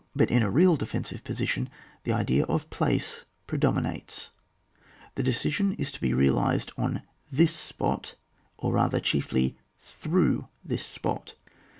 But in a real defensive position the idea oi place predominates ; the decision is to be real ised on this epot^ or rather, chiefly through this spot.